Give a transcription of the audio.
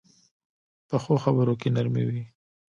پخو خبرو کې نرمي وي